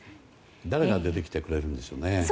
誰が出てきてくれるでしょうね。